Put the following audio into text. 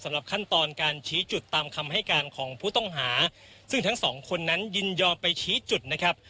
สำหรับขั้นตอนการชี้จุดตามคำให้การของผู้ต้องหาซึ่งทั้งสองคนนั้นยินยอมไปชี้จุดนะครับ